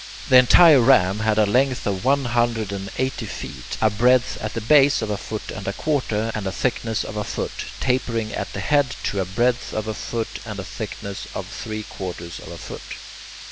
The entire ram had a length of one hundred and eighty feet, a breadth at the base of a foot and a quarter, and a thickness of a foot, tapering at the head to a breadth of a foot and a thickness of three quarters of a foot.